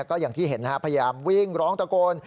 ก็อย่างที่เห็นพยายามวิ่งร้องตะโกน